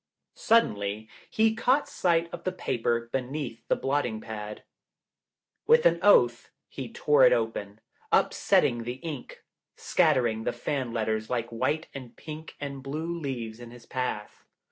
Suddenly he caught sight of the paper be neath the blotting pad. With an oath, he tore it open, upsetting the ink, scattering the fan letters like white and pink and blue leaves in his path.